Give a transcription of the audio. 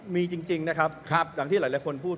มีจริงนะครับอย่างที่หลายคนพูด